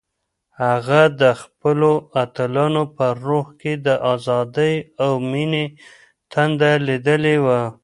هغه د خپلو اتلانو په روح کې د ازادۍ او مینې تنده لیدلې وه.